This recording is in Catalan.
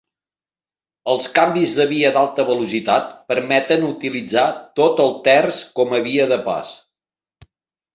Els canvis de via d'alta velocitat permeten utilitzar tot el terç com a via de pas.